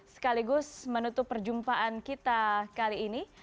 sekaligus menutup perjumpaan kita kali ini